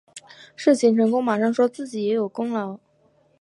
事情成功马上说自己也有功劳